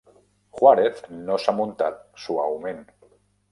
"Juarez" no s'ha muntat suaument.